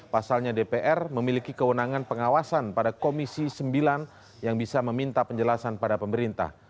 pasalnya dpr memiliki kewenangan pengawasan pada komisi sembilan yang bisa meminta penjelasan pada pemerintah